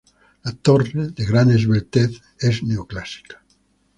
La torre de gran esbeltez es neoclásica.